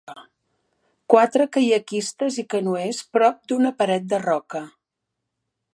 Quatre caiaquistes i canoers prop d'una paret de roca.